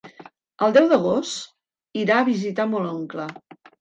El deu d'agost irà a visitar mon oncle.